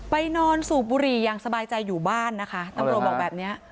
นอนสูบบุหรี่อย่างสบายใจอยู่บ้านนะคะตำรวจบอกแบบนี้